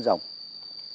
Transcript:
có nghĩa là